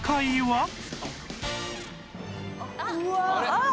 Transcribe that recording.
「あっ！」